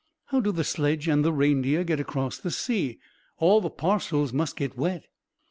"How do the sledge and the reindeer get across the sea? All the parcels must get wet."